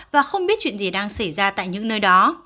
và không biết chuyện gì đang xảy ra tại những nơi đó